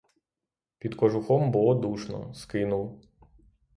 Під кожухом було душно — скинув.